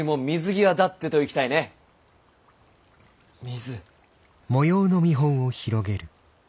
水。